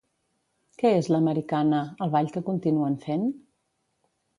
Què és l'americana, el ball que continuen fent?